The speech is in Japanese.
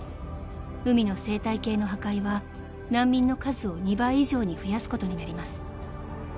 ［海の生態系の破壊は難民の数を２倍以上に増やすことになります］